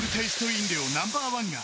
飲料ナンバーワンが